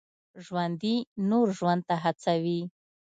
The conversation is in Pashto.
ژوندي نور ژوند ته هڅوي